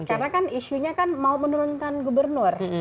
karena kan isunya kan mau menurunkan gubernur